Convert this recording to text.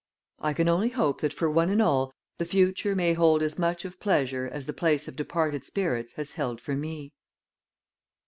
I can only hope that for one and all the future may hold as much of pleasure as the place of departed spirits has held for me.